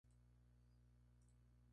Luego tomó un taxi a Houston.